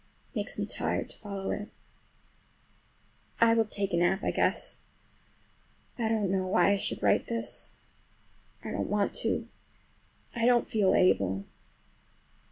It makes me tired to follow it. I will take a nap, I guess. I don't know why I should write this. I don't want to. I don't feel able.